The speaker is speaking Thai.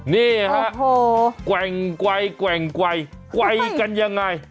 นี่ครับกว่ายกว่ายกว่ายกว่ายกันยังไง